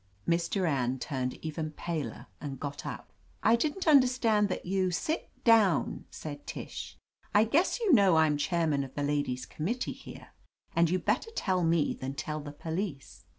Miss Durand turned even paler, and got up. "I didn't understand that you —" "Sit down," said Tish. "I guess you know I'm chairman of the Ladies' Committee here, and you'd better tell me than tell the police.